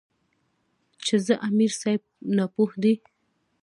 چې ځه امیر صېب ناپوهَ دے ـ